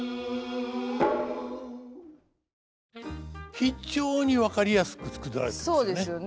非常に分かりやすく作られてますね。